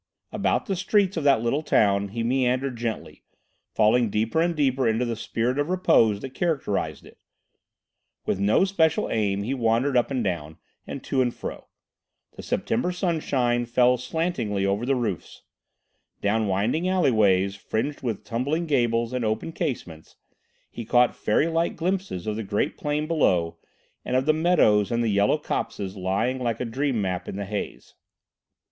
About the streets of that little town he meandered gently, falling deeper and deeper into the spirit of repose that characterised it. With no special aim he wandered up and down, and to and fro. The September sunshine fell slantingly over the roofs. Down winding alleyways, fringed with tumbling gables and open casements, he caught fairylike glimpses of the great plain below, and of the meadows and yellow copses lying like a dream map in the haze.